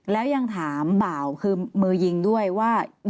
แล้วยังถามบ่าวคือมือยิงด้วยว่า